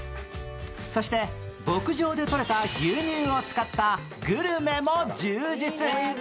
そして牧場でとれた牛乳を使ったグルメも充実。